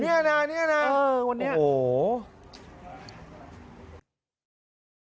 เนี่ยนะเนี่ยนะวันนี้โอ้โห